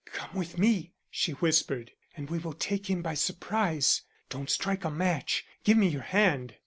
"Come with me," she whispered, "and we will take him by surprise. Don't strike a match; give me your hand."